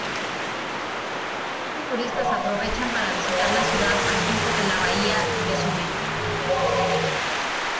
Otros turistas aprovechan para visitar la ciudad al tiempo que la bahía de Somme.